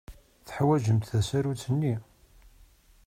Teḥwajemt tasarut-nni?